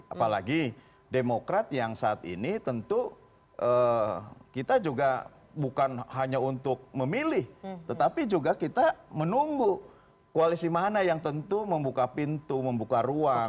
apalagi demokrat yang saat ini tentu kita juga bukan hanya untuk memilih tetapi juga kita menunggu koalisi mana yang tentu membuka pintu membuka ruang